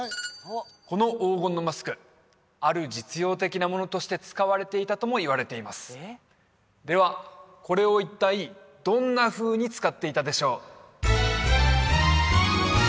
この黄金のマスクある実用的なものとして使われていたともいわれていますではこれを一体どんなふうに使っていたでしょう？